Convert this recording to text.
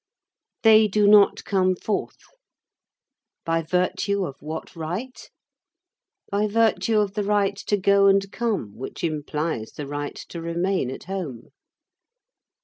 They do not come forth. By virtue of what right? By virtue of the right to go and come, which implies the right to remain at home.